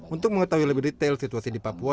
untuk mengetahui lebih detail situasi di papua